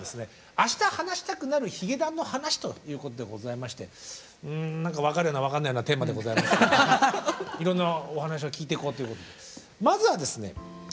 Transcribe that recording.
「明日話したくなるヒゲダンの話」ということでございましてうん何か分かるような分かんないようなテーマでございますがいろんなお話を聞いていこうということでまずはですね